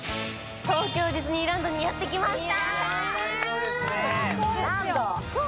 東京ディズニーランドにやってきました。